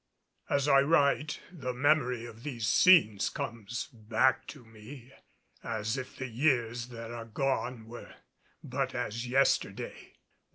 As I write, the memory of these scenes comes back to me as if the years that are gone were but as yesterday.